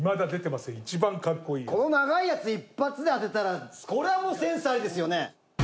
この長いやつ一発で当てたらこれはもうセンスありですよね？